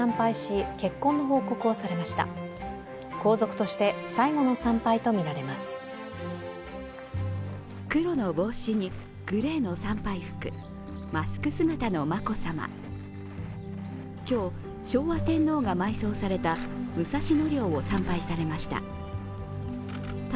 今日、昭和天皇が埋葬された武蔵野陵を参拝されました。